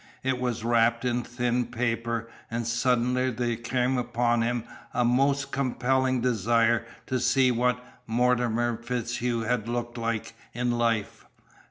It was wrapped in thin paper, and suddenly there came upon him a most compelling desire to see what Mortimer FitzHugh had looked like in life.